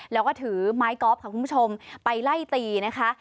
แล้วก็ถือไม้กอล์ฟค่ะคุณผู้ชมไปไล่ตีนะคะ